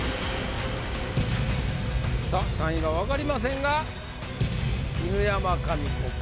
さあ３位が分かりませんが犬山紙子か？